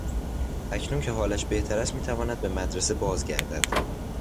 اکنون که حالش بهتر است میتواند به مدرسه باز گردد.